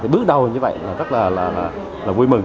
bước đầu như vậy là rất là vui mừng